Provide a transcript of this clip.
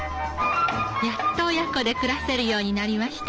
やっと親子で暮らせるようになりました。